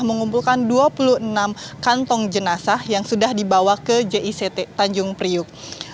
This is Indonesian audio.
mengumpulkan dua puluh enam kantong jenazah yang sudah dibawa ke jict tanjung priuk